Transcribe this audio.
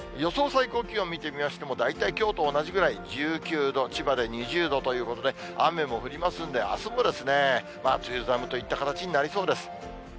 最高気温見てみましても、大体きょうと同じぐらい、１９度、千葉で２０度ということで、雨も降りますんで、あすも梅雨寒といった形になりそうです。